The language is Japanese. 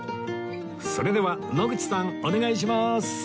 それでは野口さんお願いします